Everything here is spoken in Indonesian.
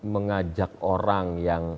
mengajak orang yang